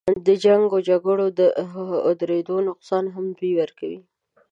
د جنګ و جګړو د اودرېدو نقصان هم دوی ورکوي.